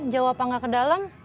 jawab apa nggak ke dalam